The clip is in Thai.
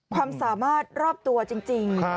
ความสามารถรอบตัวจริง